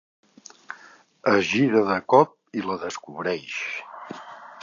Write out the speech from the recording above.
Es gira de cop i la descobreix.